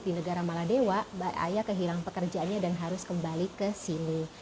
di negara maladewa mbak ayah kehilangan pekerjaannya dan harus kembali ke sini